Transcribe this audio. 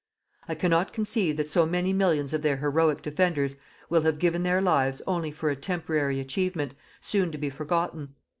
I cannot conceive that so many millions of their heroic defenders will have given their lives only for a temporary achievement, soon to be forgotten.